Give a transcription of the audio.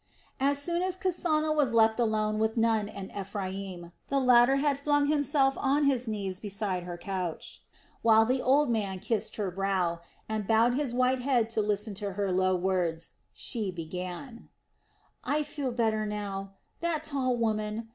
As soon as Kasana was left alone with Nun and Ephraim, and the latter had flung himself on his knees beside her couch, while the old man kissed her brow, and bowed his white head to listen to her low words, she began: "I feel better now. That tall woman...